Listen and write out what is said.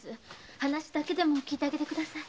話だけでも聞いてあげてください。